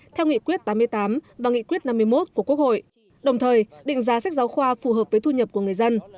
theo nghị quyết tám mươi tám và nghị quyết năm mươi một của quốc hội đồng thời định giá sách giáo khoa phù hợp với thu nhập của người dân